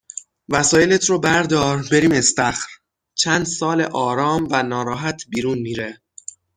وسایلت رو بردار بریم استخر! چند ساله آرام و ناراحت بیرون میره